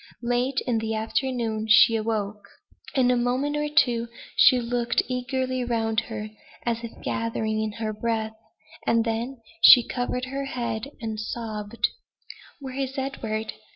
Late in the afternoon she awoke. In a moment or two she looked eagerly round her, as if gathering in her breath; and then she covered her head and sobbed. "Where is Edward?"